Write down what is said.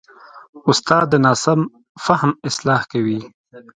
استاد د ناسم فهم اصلاح کوي.